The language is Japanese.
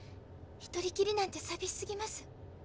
一人きりなんてさびしすぎます。